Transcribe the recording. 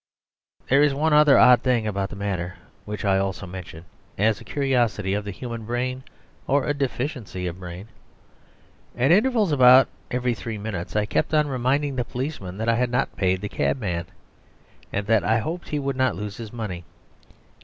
..... There is one other odd thing about the matter which I also mention as a curiosity of the human brain or deficiency of brain. At intervals of about every three minutes I kept on reminding the policeman that I had not paid the cabman, and that I hoped he would not lose his money.